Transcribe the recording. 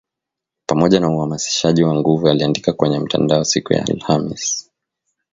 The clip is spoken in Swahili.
pamoja na uhamasishaji wa nguvu aliandika kwenye mtandao siku ya Alhamisi